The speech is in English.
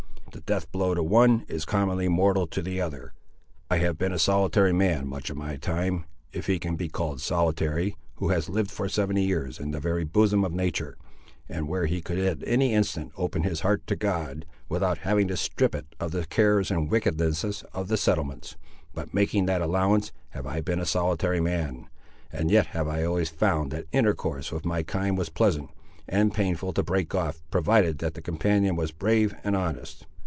The death blow to one is commonly mortal to the other! I have been a solitary man much of my time, if he can be called solitary, who has lived for seventy years in the very bosom of natur', and where he could at any instant open his heart to God, without having to strip it of the cares and wickednesses of the settlements—but making that allowance, have I been a solitary man; and yet have I always found that intercourse with my kind was pleasant, and painful to break off, provided that the companion was brave and honest.